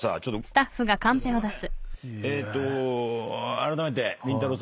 あらためてりんたろー。